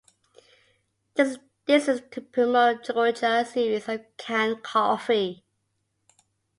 This is to promote Georgia series of canned coffee.